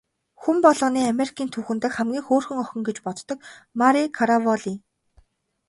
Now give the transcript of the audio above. Хүн болгоны Америкийн түүхэн дэх хамгийн хөөрхөн охин гэж боддог Мари Караволли.